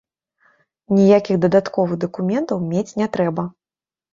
Ніякіх дадатковых дакументаў мець не трэба.